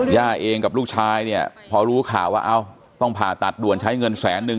เองกับลูกชายเนี่ยพอรู้ข่าวว่าเอ้าต้องผ่าตัดด่วนใช้เงินแสนนึง